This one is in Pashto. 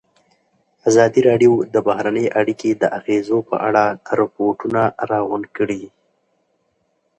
ازادي راډیو د بهرنۍ اړیکې د اغېزو په اړه ریپوټونه راغونډ کړي.